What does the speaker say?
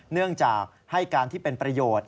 เนื่องจากให้การที่เป็นประโยชน์